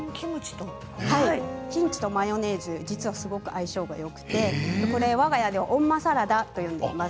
キムチとマヨネーズ実は相性がよくてわが家ではオンマサラダと呼んでいます。